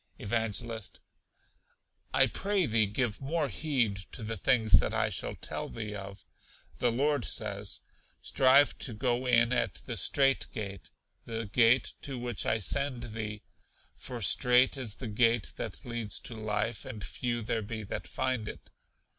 Evangelist. I pray thee give more heed to the things that I shall tell thee of. The Lord says, 'Strive to go in at the strait gate, the gate to which I send thee, for strait is the gate that leads to life, and few there be that find it.'